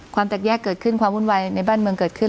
แตกแยกเกิดขึ้นความวุ่นวายในบ้านเมืองเกิดขึ้น